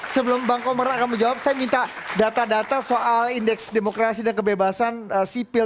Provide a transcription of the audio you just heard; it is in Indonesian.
sebelum bang komara akan menjawab saya minta data data soal indeks demokrasi dan kebebasan sipil